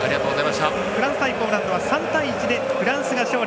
フランス対ポーランドは３対１でフランスが勝利。